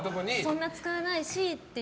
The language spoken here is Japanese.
そんな使わないしっていう。